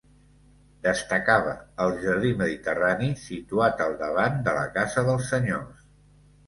Destacava el jardí mediterrani situat al davant de la casa dels senyors.